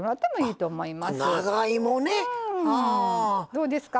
どうですか？